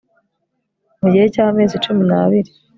mu gihe cy amezi cumi n abiri